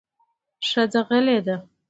ښځه غلې ده